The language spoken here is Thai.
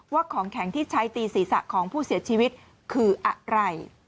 ของแข็งที่ใช้ตีศีรษะของผู้เสียชีวิตคืออะไร